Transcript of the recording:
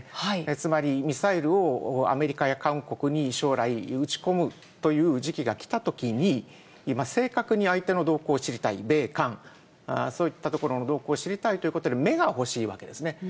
つまり、ミサイルをアメリカや韓国に将来、打ち込むという時期がきたときに、正確に相手の動向を知りたい、米韓、そういったところの動向を知りたいということで、目が欲しいわけですね。